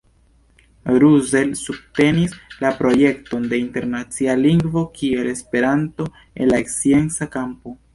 Russell subtenis la projekton de internacia lingvo kiel esperanto en la scienca kampo.